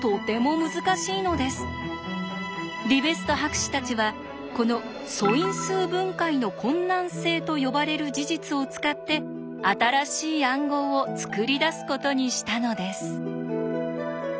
リベスト博士たちはこの「素因数分解の困難性」と呼ばれる事実を使って新しい暗号を作り出すことにしたのです。